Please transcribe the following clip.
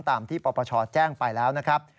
ตามที่ปปชแจ้งไปแล้วนะครับ